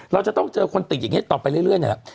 เราจะต้องเจอคนติดอย่างนี้ต่อไปเรื่อยนี่แหละ